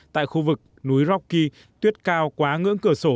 tại khu vực núi rocky tuyết cao quá ngưỡng cửa sổ